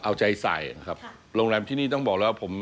เราจะโลเคชั่วนะที่เหลือคืองานบริการแน่นอนคือความเอาใจใส